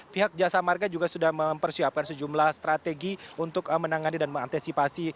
pihak jasa marga juga sudah mempersiapkan sejumlah strategi untuk menangani dan mengantisipasi